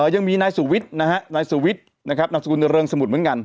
ยังมีนายสุวิทย์นะฮะนายสุวิทย์นะครับนามสกุลเริงสมุทรเหมือนกัน